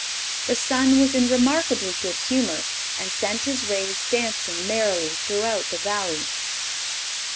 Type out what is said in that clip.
The sun was in remarkably good humor, and sent his rays dancing merrily throughout the Valley.